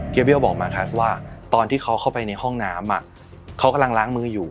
เบี้ยวบอกมาคัสว่าตอนที่เขาเข้าไปในห้องน้ำเขากำลังล้างมืออยู่